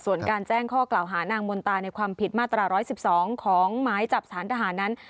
ส่วนการแจ้งข้อกล่าวหานางมนตาในความผิดมาตรา๑๑๒ของหมายจับสารทหารนั้น